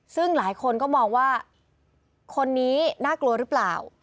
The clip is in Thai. ซึ่งหลายคนก็มองว่าคนนี้น่ากลัวหรือเปล่า